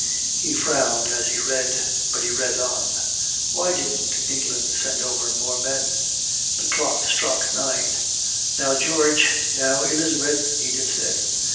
He frowned as he read, but he read on. Why didn't England send over more men? The clock struck nine. "Now, George. Now, Elizabeth," Edith said.